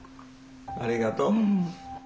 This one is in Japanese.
ありがとう。